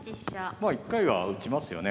まあ一回は打ちますよね